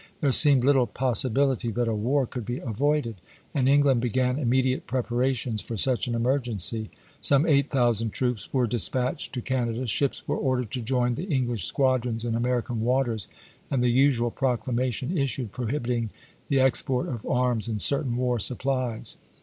There seemed little possibility that a war could be avoided, and England began immediate preparations for such an emergency. Some eight thousand troops were dispatched to Canada, ships were ordered to join the English squadrons in American waters, and the usual proclamation is sued prohibiting the export of arms and certain war supplies.